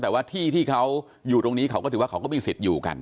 แต่ว่าที่ที่เขาอยู่ตรงนี้เขาก็ถือว่าเขาก็มีสิทธิ์อยู่กัน